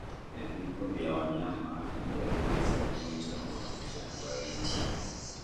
Vifo kwa wanyama ni dalili za ugonjwa wa ndigana baridi